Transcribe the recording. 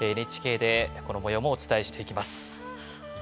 ＮＨＫで、このもようもお伝えしていきます。